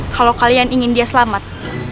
kalau kalian ingin dia selamat